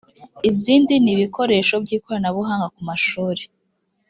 izindi ni ibikoresho by ikoranabuhanga ku mashuri